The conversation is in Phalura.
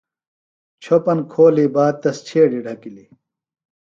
چھوۡپن کھولی باد تس چھیڈیۡ ڈھکِلیۡ۔